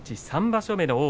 ３場所目の王鵬。